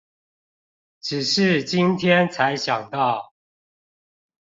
只是今天才想到